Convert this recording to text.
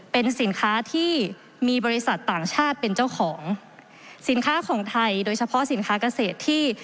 เป็นสินค้าที่มีบริษัทต่างชาติเป็นเจ้าของสินค้าของไทยโดยเฉพาะสินค้าเกษตรที่